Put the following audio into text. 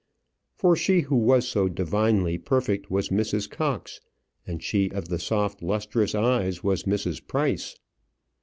For she who was so divinely perfect was Mrs. Cox, and she of the soft, lustrous eyes was Mrs. Price.